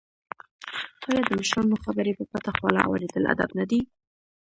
آیا د مشرانو خبرې په پټه خوله اوریدل ادب نه دی؟